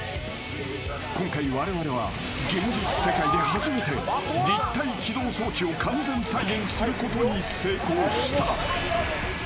今回、我々は現実世界で初めて立体機動装置を完全再現することに成功した。